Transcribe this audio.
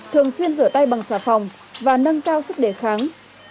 thường xuyên rửa tay bằng xà phòng và nâng cao sức đề kháng